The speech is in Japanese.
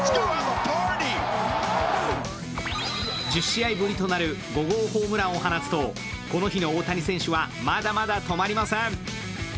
１０試合ぶりとなる５号ホームランを放つとこの日の大谷選手はまだまだ止まりません。